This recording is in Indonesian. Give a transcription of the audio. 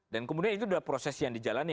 dan kemudian itu adalah proses yang dijalani